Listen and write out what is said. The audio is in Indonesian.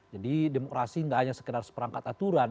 jadi demokrasi gak hanya sekedar seperangkat aturan